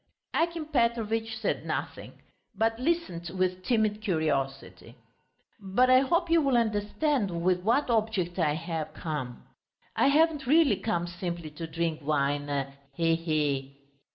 Akim Petrovitch said nothing, but listened with timid curiosity. "But I hope you will understand, with what object I have come.... I haven't really come simply to drink wine ... he he!"